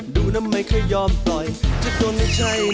ดูแล้วคงไม่รอดเพราะเราคู่กัน